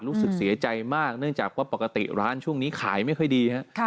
รู้สึกเสียใจมากเนื่องจากว่าปกติร้านช่วงนี้ขายไม่ค่อยดีฮะ